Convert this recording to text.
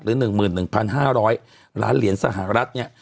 หรือ๑๑๕๐๐ล้านเหรียญสหรัฐเนี่ย